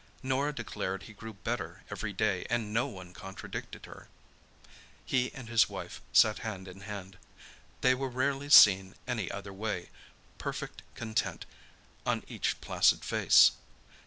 Norah declared he grew better every day and no one contradicted her. He and his wife sat hand in hand. They were rarely seen any other way—perfect content on each placid face.